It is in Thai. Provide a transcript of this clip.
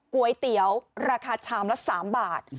ก๋วยเตี๋ยวราคาชามละ๓บาท